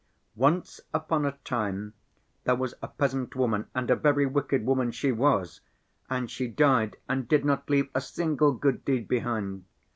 Once upon a time there was a peasant woman and a very wicked woman she was. And she died and did not leave a single good deed behind.